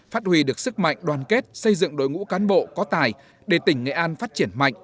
phát huy được sức mạnh đoàn kết xây dựng đội ngũ cán bộ có tài để tỉnh nghệ an phát triển mạnh